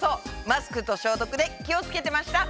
マスクと消毒で気を付けてました！